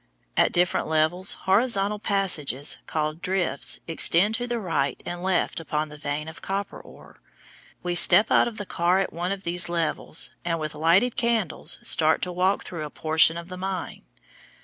At different levels horizontal passages, called drifts, extend to the right and left upon the vein of copper ore. We step out of the car at one of these levels and with lighted candles start to walk through a portion of the mine.